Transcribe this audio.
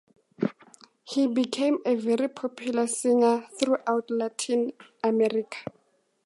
He became a very popular singer throughout Latin America.